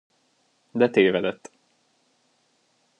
De tévedett.